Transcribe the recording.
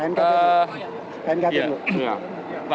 perundingan lain gimana pak